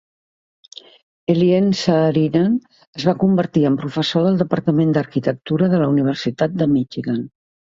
Eliel Saarinen es va convertir en professor del departament d'arquitectura de la Universitat de Michigan.